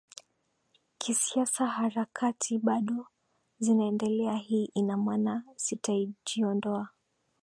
kisiasa Harakati bado zinaendelea Hii ina maana sitajiondoa